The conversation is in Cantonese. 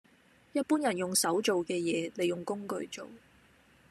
一般人用手做嘅嘢，你用工具做